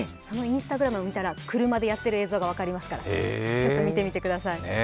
そのＩｎｓｔａｇｒａｍを見たら、車でやっている映像が分かりますから、ちょっと見てみてください。